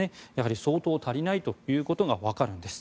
相当足りないということが分かるんです。